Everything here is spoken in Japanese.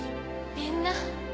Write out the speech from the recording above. みんな。